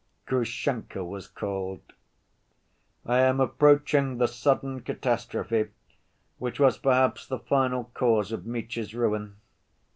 Grushenka was called. I am approaching the sudden catastrophe which was perhaps the final cause of Mitya's ruin.